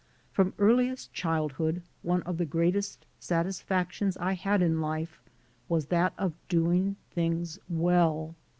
From earliest childhood one of the greatest satisfactions I had in life was that of doing things well.